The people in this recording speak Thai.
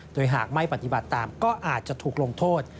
โดยหากไม่ปฏิบัติตามก็อาจจะถูกลงโทษ